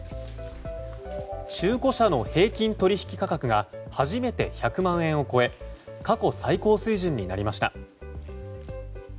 中古車の平均取引価格が初めて１００万円を超え過去最高水準となりました。